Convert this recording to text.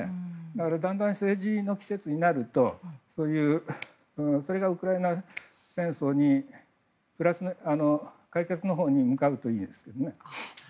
だから、だんだん政治の季節になるとそれがウクライナ戦争の解決のほうに向かうといいんですけどね。